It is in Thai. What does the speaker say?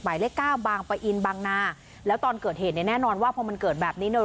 เลขเก้าบางปะอินบางนาแล้วตอนเกิดเหตุเนี่ยแน่นอนว่าพอมันเกิดแบบนี้เนี่ย